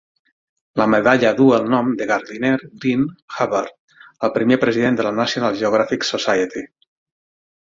La medalla duu el nom de Gardiner Green Hubbard, el primer president de la National Geographic Society.